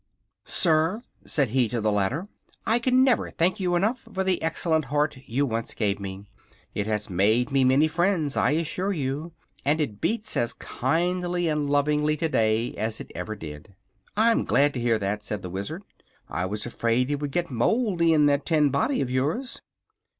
"Sir," said he to the latter, "I never can thank you enough for the excellent heart you once gave me. It has made me many friends, I assure you, and it beats as kindly and lovingly today as it ever did." "I'm glad to hear that," said the Wizard. "I was afraid it would get moldy in that tin body of yours."